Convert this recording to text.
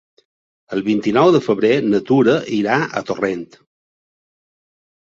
El vint-i-nou de febrer na Tura irà a Torrent.